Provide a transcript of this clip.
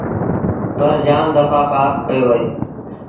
پر جآم دڦآ پآپ ڪيو اهي۔